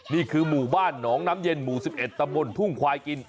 นี่คือหมู่บ้านหนองน้ำเย็นหมู่๑๑ตำบลทุ่งควายกิน